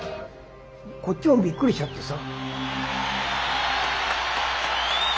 こっちもびっくりしちゃってさ。